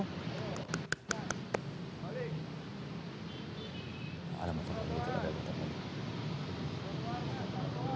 oke tak sepuluh menceritakan itu yang sedang terjadi disana ya